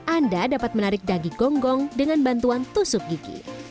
anda dapat menarik daging gonggong dengan bantuan tusuk gigi